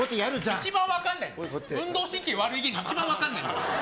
一番分からない、運動神経悪い芸人、一番分かってないだろ。